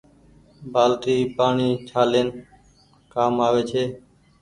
بآلٽي پآڻيٚ ڇآليم ڪآم آوي ڇي۔